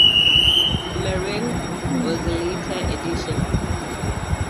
Meringue was a later addition.